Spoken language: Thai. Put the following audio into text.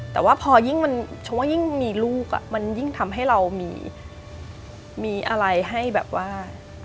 แต่ว่าพอยิ่งมันชมว่ายิ่งมีลูกมันยิ่งทำให้เรามีอะไรให้แบบว่า